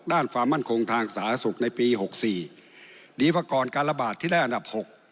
ด้านความมั่นคงทางสาธารณสุขในปีหกสี่ดีปกรณ์การระบาดที่ได้อันดับหก